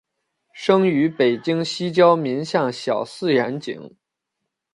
生于北京西郊民巷小四眼井。